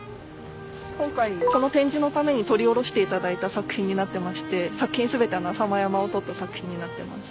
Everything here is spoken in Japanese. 今回この展示のために撮り下ろしていただいた作品になってまして作品全て浅間山を撮った作品になってます。